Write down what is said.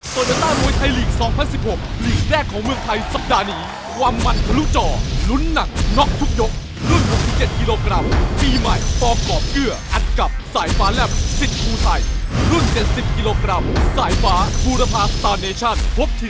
สวัสดีครับสวัสดีครับ